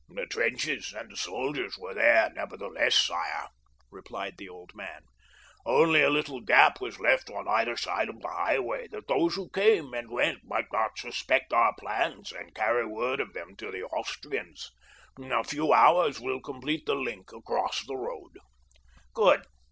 "The trenches and the soldiers were there, nevertheless, sire," replied the old man, "only a little gap was left on either side of the highway that those who came and went might not suspect our plans and carry word of them to the Austrians. A few hours will complete the link across the road." "Good!